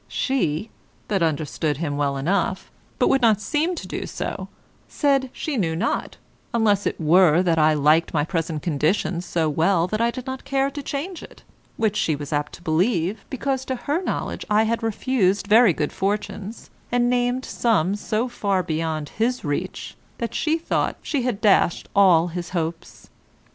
She (that understood him well enough, but would not seem to do so) said she knew not, unless it were that I liked my present condition so well that I did not care to change it; which she was apt to believe, because to her knowledge I had refused very good fortunes, and named some so far beyond his reach, that she thought she had dashed all his hopes.